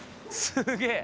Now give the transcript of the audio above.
すげえ！